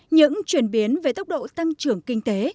những chuyển biến về tốc độ tăng trưởng kinh tế